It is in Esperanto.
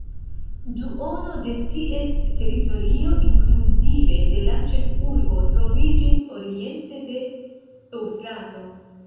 Duono de ties teritorio, inkluzive de la ĉefurbo, troviĝis oriente de Eŭfrato.